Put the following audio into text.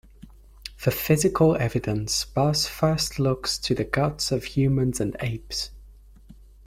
For physical evidence Buss first looks to the guts of humans and apes.